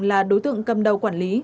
là đối tượng cầm đầu quản lý